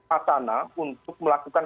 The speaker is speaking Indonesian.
atana untuk melakukan